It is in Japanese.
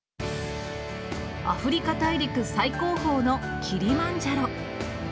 アフリカ大陸最高峰のキリマンジャロ。